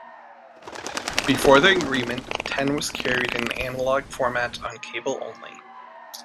Before the agreement, Ten was carried in an analogue format on cable only.